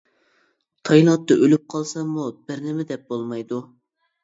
تايلاندتا ئۆلۈپ قالساممۇ بىرنېمە دەپ بولمايدۇ.